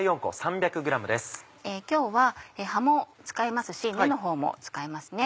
今日は葉も使いますし根のほうも使いますね。